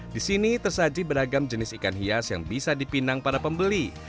di sini tersaji beragam jenis ikan hias yang bisa dipinang para pembeli